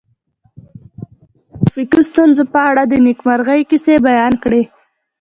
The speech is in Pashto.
ازادي راډیو د ټرافیکي ستونزې په اړه د نېکمرغۍ کیسې بیان کړې.